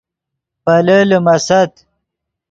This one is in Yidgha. پیلے لیمیست